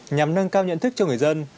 nhằm nâng cao nhận thức cho người dân